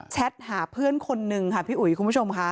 หาเพื่อนคนนึงค่ะพี่อุ๋ยคุณผู้ชมค่ะ